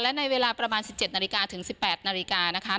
และในเวลาประมาณ๑๗นาฬิกาถึง๑๘นาฬิกานะคะ